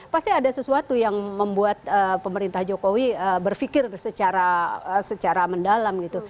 pasti ada sesuatu yang membuat pemerintah jokowi berpikir secara mendalam gitu